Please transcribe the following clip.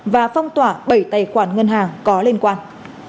và phong tỏa bảy tài khoản ngân hàng có liên quan